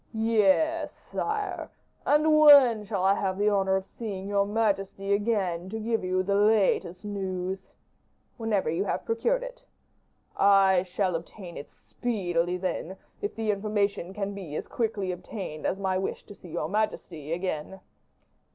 "Yes, sire, and when shall I have the honor of seeing your majesty again, to give you the latest news?" "Whenever you have procured it." "I shall obtain it speedily, then, if the information can be as quickly obtained as my wish to see your majesty again."